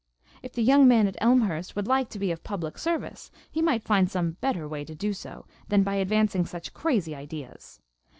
If the young man at Elmhurst would like to be of public service he might find some better way to do so than by advancing such crazy ideas.